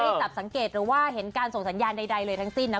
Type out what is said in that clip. จับสังเกตหรือว่าเห็นการส่งสัญญาณใดเลยทั้งสิ้นนะ